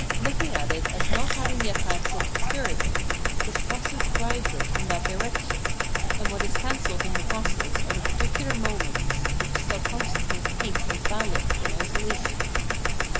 Looking at it as not having yet had such experience, this process drives it in that direction, and what is cancelled in the process are the particular moments which self consciousness takes as valid in isolation.